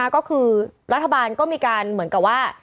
ก็คือรัฐบาลก็มีการเหมือนกับว่า